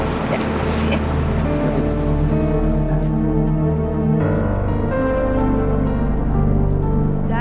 ya terima kasih